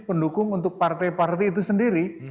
pendukung untuk partai partai itu sendiri